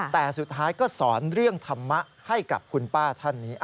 แต่สุดท้ายก็สอนเรื่องธรรมะให้กับคุณป้าท่านนี้